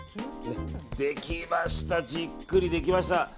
できましたじっくりできました。